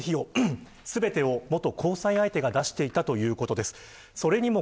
すると、食事や旅行の費用全てを元交際相手が出していたということです。